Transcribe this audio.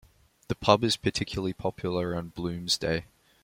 The pub is particularly popular on Bloomsday.